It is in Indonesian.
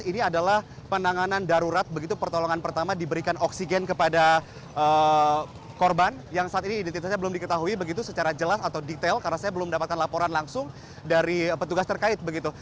ini adalah penanganan darurat begitu pertolongan pertama diberikan oksigen kepada korban yang saat ini identitasnya belum diketahui begitu secara jelas atau detail karena saya belum mendapatkan laporan langsung dari petugas terkait begitu